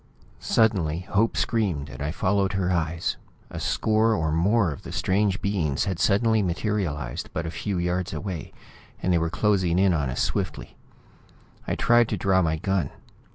Suddenly, Hope screamed, and I followed her eyes. A score or more of the strange beings had suddenly materialized but a few yards away, and they were closing in on us swiftly. I tried to draw my gun.